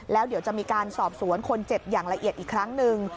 แล้วเดี๋ยวจะมีการสอบสวนคนเจ็บอย่างละเอียดอีกครั้งหนึ่ง